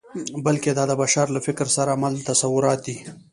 بلکې دا د بشر له فکر سره مل تصورات دي.